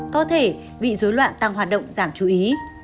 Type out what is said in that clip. có thể bị dối loạn tăng hoạt động giảm chú ý